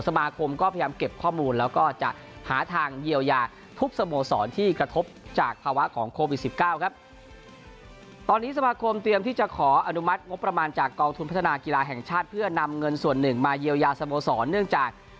สมาคมก็พยายามเก็บข้อมูลและจะหาทางเยียวยาทุบสโมสรที่กระทบจากภาวะโควิด๑๙